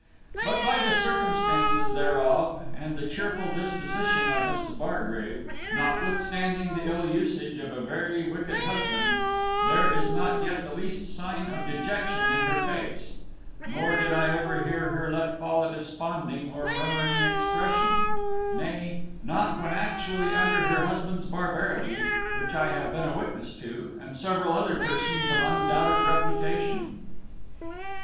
But by the circumstances thereof, and the cheerful disposition of Mrs. Bargrave, notwithstanding the ill usage of a very wicked husband, there is not yet the least sign of dejection in her face; nor did I ever hear her let fall a desponding or murmuring expression; nay, not when actually under her husband's barbarity, which I have been a witness to, and several other persons of undoubted reputation.